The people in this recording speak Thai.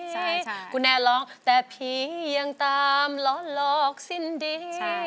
ใช่กูแน่ร้องแต่ผียังตามล้อหลอกสิ้นดี